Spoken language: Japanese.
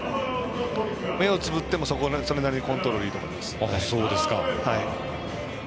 目をつぶってもそれなりにコントロールいいと思います。